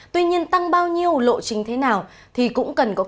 tuy nhiên tăng bao nhiêu lộ trình thế nào thì cũng cần có cơ chế